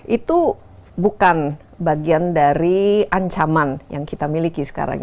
itu bukan bagian dari ancaman yang kita miliki sekarang